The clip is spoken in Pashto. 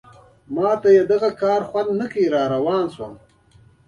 ما ته یې دې کار خوند رانه کړ او روان شوم.